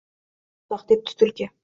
— Salom, bo’g’irsoq, — debdi tulki